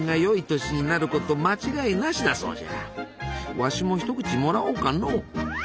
わしも一口もらおうかのう。